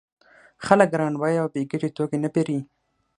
خلک ګران بیه او بې ګټې توکي نه پېري